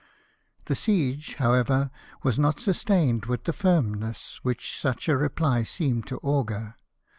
The siege, however, was not sustained with the firmness which such a reply seemed to augur.